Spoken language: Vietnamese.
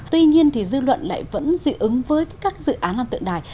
tuy nhiên thì dư luận lại vẫn dị ứng với các dự án làm tượng đài